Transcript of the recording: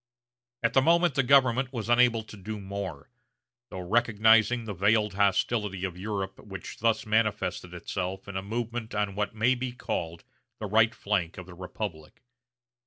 At the moment the government was unable to do more, though recognizing the veiled hostility of Europe which thus manifested itself in a movement on what may be called the right flank of the republic.